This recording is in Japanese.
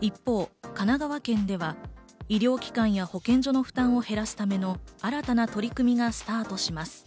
一方、神奈川県では医療機関や保健所の負担を減らすための新たな取り組みがスタートします。